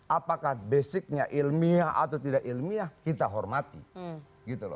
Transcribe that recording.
apakah basicnya ilmiah atau tidak ilmiah kita hormati